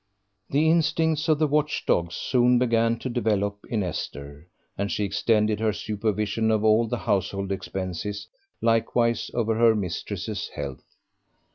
The instincts of the watch dog soon began to develop in Esther, and she extended her supervision over all the household expenses, likewise over her mistress's health.